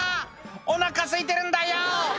お腹すいてるんだよ！」